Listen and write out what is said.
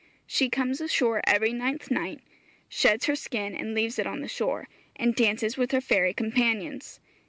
She comes ashore every ninth night, sheds her skin, leaves it on the shore, and dances with her fairy companions.